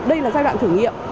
đây là giai đoạn thử nghiệm